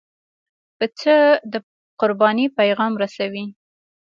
پسه د قربانۍ پیغام رسوي.